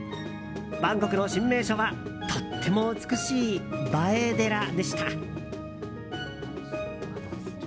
バンコクの新名所はとっても美しい映え寺でした。